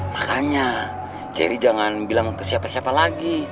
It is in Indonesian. makanya ceri jangan bilang ke siapa siapa lagi